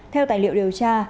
theo tài liệu điều tra